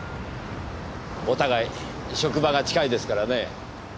お互い職場が近いですからね。